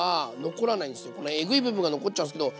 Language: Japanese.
このエグい部分が残っちゃうんですけど。